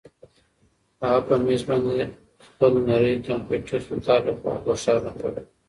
هغه په مېز باندې خپل نری کمپیوټر د کار لپاره روښانه کړ.